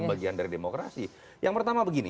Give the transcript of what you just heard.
bagian dari demokrasi yang pertama begini